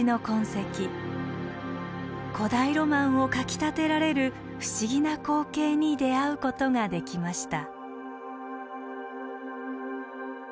古代ロマンをかきたてられる不思議な光景に出会うことができました。